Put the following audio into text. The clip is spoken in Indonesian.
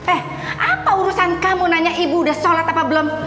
eh apa urusan kamu nanya ibu udah sholat apa belum